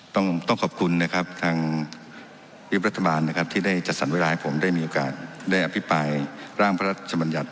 ต้องขอบคุณนะครับทางวิบรัฐบาลนะครับที่ได้จัดสรรเวลาให้ผมได้มีโอกาสได้อภิปรายร่างพระราชมัญญัติ